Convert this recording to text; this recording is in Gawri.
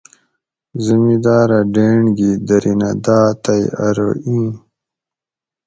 زمیداۤرہ ڈینڑ گی درینہ داۤ تئ ارو اِیں